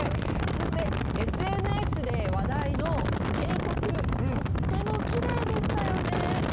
そして、ＳＮＳで話題の渓谷、とってもきれいでしたよね。